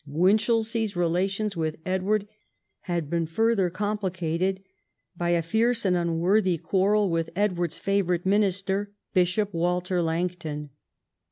Winchelsea's relations with Edward had been further complicated by a fierce and unworthy quarrel with 224 EDWARD I chap. Edward's favourite minister, Bishop Walter Langton.